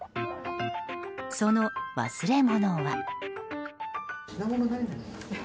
その忘れ物は。